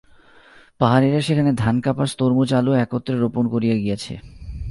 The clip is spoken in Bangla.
পাহাড়িরা সেখানে ধান কাপাস তরমুজ আলু একত্রে রোপণ করিয়া গিয়াছে।